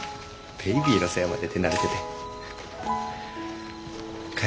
ベイビーの世話まで手慣れててかよ